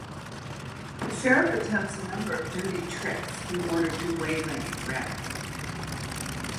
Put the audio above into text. The sheriff attempts a number of dirty tricks in order to waylay Red.